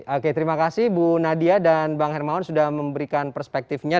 oke terima kasih bu nadia dan bang hermawan sudah memberikan perspektifnya